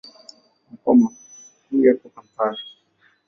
Makao makuu yapo Kampala.